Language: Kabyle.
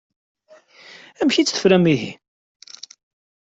Amek i tt-tefram ihi?